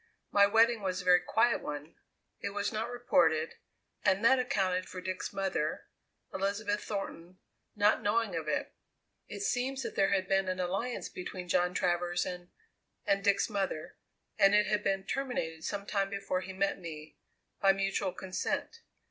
My wedding was a very quiet one; it was not reported, and that accounted for Dick's mother Elizabeth Thornton not knowing of it. "It seems that there had been an alliance between John Travers and and Dick's mother, and it had been terminated some time before he met me, by mutual consent.